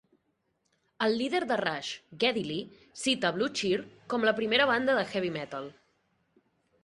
El líder de Rush, Geddy Lee, cita a Blue Cheer com la primera banda de heavy metal.